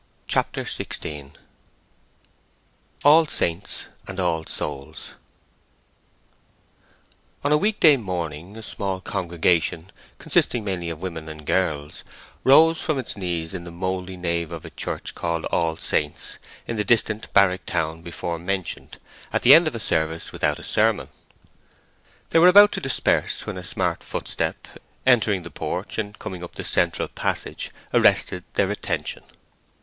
CHAPTER XVI ALL SAINTS' AND ALL SOULS' On a week day morning a small congregation, consisting mainly of women and girls, rose from its knees in the mouldy nave of a church called All Saints', in the distant barrack town before mentioned, at the end of a service without a sermon. They were about to disperse, when a smart footstep, entering the porch and coming up the central passage, arrested their attention.